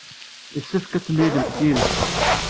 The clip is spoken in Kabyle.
Yessefk ad temlilemt yid-s.